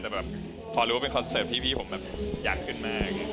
แต่แบบพอรู้ว่าเป็นคอนเสิร์ตที่พี่ผมแบบอยากขึ้นมาก